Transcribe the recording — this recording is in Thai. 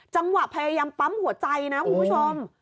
จังหวะพยายามปั๊มหัวใจนะคุณผู้ชม